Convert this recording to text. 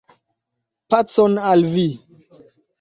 Pacon al vi.